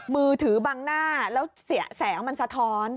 มือถือบังหน้าแล้วเสียแสงมันสะท้อน